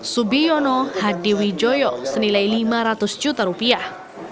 subiyono hadiwijoyo senilai lima ratus juta rupiah